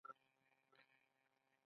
قوانین باید اسلامي وي.